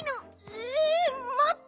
えまって！